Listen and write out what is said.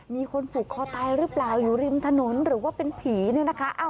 มีคนผูกคอตายหรือเปล่าอยู่ริมถนนหรือว่าเป็นผีเนี่ยนะคะ